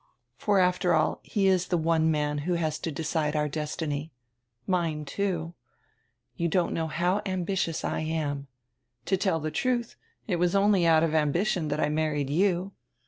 For after all he is tire one man who has to decide our destiny. Mine, too. You don't know how ambitious I am. To tell the truth, it was only out of ambition that I mar ried you.